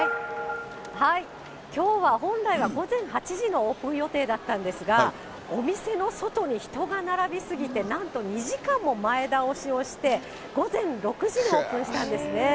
きょうは本来は午前８時のオープン予定だったんですが、お店の外に人が並び過ぎて、なんと２時間も前倒しをして、午前６時にオープンしたんですね。